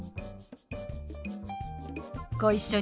ご一緒に。